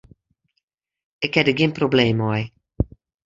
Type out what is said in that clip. Ik ha der gjin probleem mei.